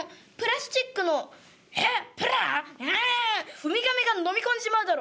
ウミガメが飲み込んじまうだろ！